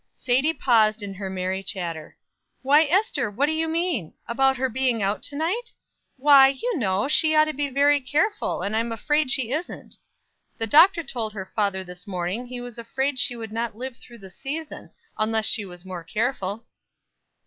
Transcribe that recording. Sadie paused in her merry chatter. "Why, Ester, what do you mean? About her being out to night? Why, you know, she ought to be very careful; and I'm afraid she isn't. The doctor told her father this morning he was afraid she would not live through the season, unless she was more careful."